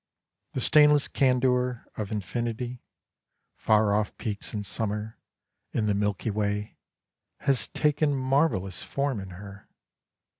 The stainless candour of infinity — far off peaks in summer and the Milky Way — has taken marvellous form in her.